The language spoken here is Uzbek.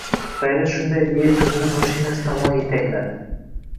G`ayrat shunday deya qizini mashinasi tomon etakladi